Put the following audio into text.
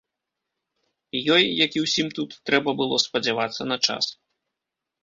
Ёй, як і ўсім тут, трэба было спадзявацца на час.